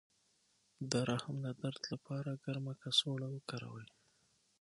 د رحم د درد لپاره ګرمه کڅوړه وکاروئ